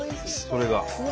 それが。